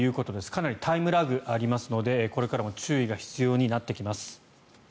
かなりタイムラグがありますのでこれからも注意が必要になってきます。